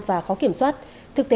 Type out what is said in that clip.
một loại hai trăm linh trang